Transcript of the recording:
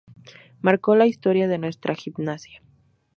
Marcó la historia de nuestra gimnasia.